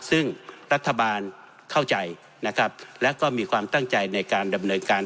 ซึ่งรัฐบาลเข้าใจนะครับแล้วก็มีความตั้งใจในการดำเนินการ